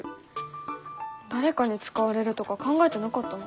誰かに使われるとか考えてなかったな。